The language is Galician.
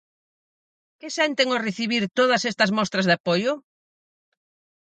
Que senten ao recibir todas estas mostras de apoio?